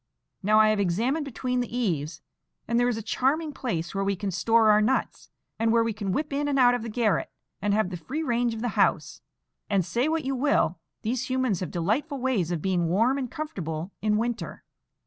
Now I have examined between the eaves, and there is a charming place where we can store our nuts, and where we can whip in and out of the garret, and have the free range of the house; and, say what you will, these humans have delightful ways of being warm and comfortable in winter."